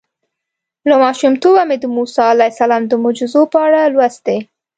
له ماشومتوبه مې د موسی علیه السلام د معجزو په اړه لوستي.